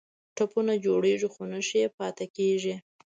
ټپونه جوړیږي خو نښې یې پاتې کیږي.